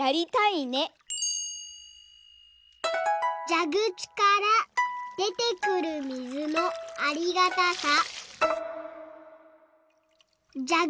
「じゃぐちからでてくるみずのありがたさ」。